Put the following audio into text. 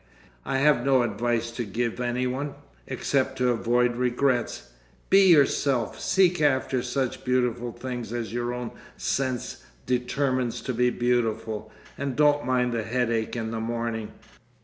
_ I have no advice to give anyone,—except to avoid regrets. Be yourself, seek after such beautiful things as your own sense determines to be beautiful. And don't mind the headache in the morning....